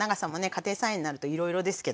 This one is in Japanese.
家庭菜園になるといろいろですけど。